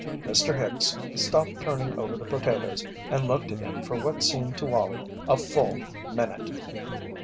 Mr. Hicks stopped turning over the potatoes and looked at him for what seemed to Wallie a full minute.